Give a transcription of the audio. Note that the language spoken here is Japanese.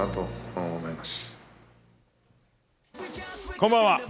こんばんは。